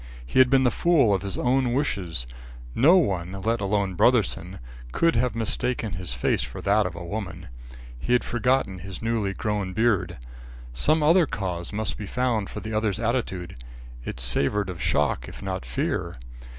He had been the fool of his own wishes. No one, let alone Brotherson, could have mistaken his face for that of a woman. He had forgotten his newly grown beard. Some other cause must be found for the other's attitude. It savoured of shock, if not fear.